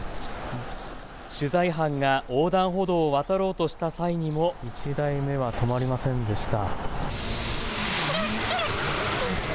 取材班が横断歩道を渡ろうとした際にも１台目は止まりませんでした。